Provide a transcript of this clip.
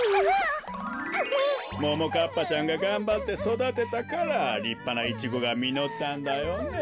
ももかっぱちゃんががんばってそだてたからりっぱなイチゴがみのったんだよね。